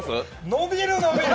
伸びる伸びる！